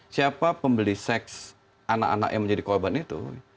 siapa pembeli seks anak anak yang menjadi korban itu